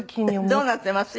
どうなっています？